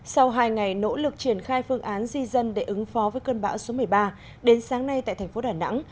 sau hai ngày nỗ lực triển khai phương án di dân để ứng phó với cơn bão số một mươi ba đến sáng nay tại thành phố đà nẵng